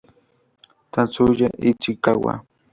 Tatsuya Ishikawa